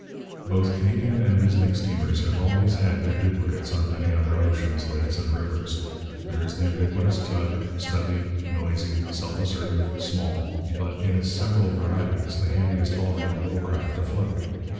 Both Canadian and visiting steamers have always had their duplicates on many other oceans, lakes, and rivers. There is the ubiquitous tug; stubby, noisy, self assertive, small; but, in its several varieties, the handiest all round little craft afloat.